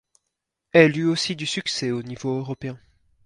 Elle eut aussi du succès au niveau européen.